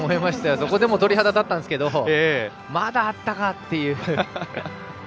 そこでもう鳥肌立ったんですけどまだあったか！という。